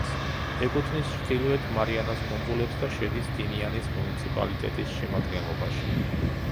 ეკუთვნის ჩრდილოეთ მარიანას კუნძულებს და შედის ტინიანის მუნიციპალიტეტის შემადგენლობაში.